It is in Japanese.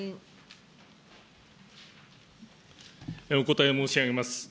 お答えを申し上げます。